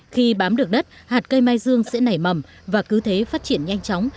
khi bám được đất hạt cây mai dương sẽ nảy mầm và cứ thế phát triển nhanh chóng